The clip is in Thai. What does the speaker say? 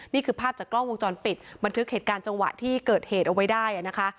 นี่คือภาพจากกล้องวงจรปิดบันทึกเหตุการณ์จังหวะที่เกิดเหตุเอาไว้ได้นะคะ